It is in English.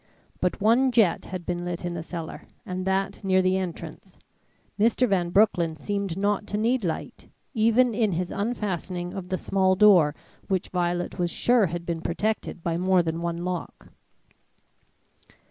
But one jet had been lit in the cellar and that near the entrance. Mr. Van Broecklyn seemed not to need light, even in his unfastening of the small door which Violet was sure had been protected by more than one lock.